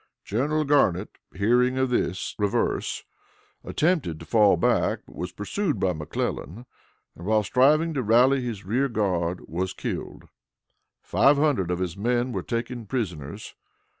General Garnett, hearing of this reverse, attempted to fall back, but was pursued by McClellan, and, while striving to rally his rear guard, was killed. Five hundred of his men were taken prisoners.